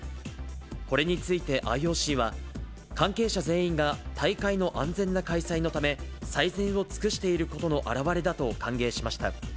これについてＩＯＣは、関係者全員が大会の安全な開催のため、最善を尽くしていることの表れだと歓迎しました。